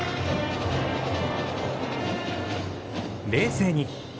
冷静に。